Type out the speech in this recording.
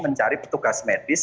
mencari petugas medis